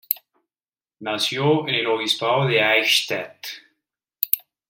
Nació en el Obispado de Eichstätt.